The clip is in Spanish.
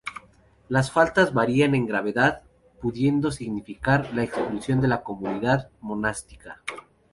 Las faltas varían en gravedad pudiendo significar la expulsión de la comunidad monástica.